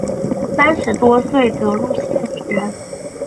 三十多岁得入县学。